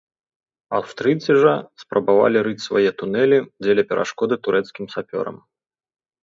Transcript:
Аўстрыйцы жа спрабавалі рыць свае тунэлі, дзеля перашкоды турэцкім сапёрам.